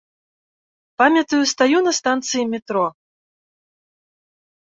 Памятаю, стаю на станцыі метро.